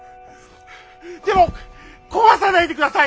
でも壊さないでください！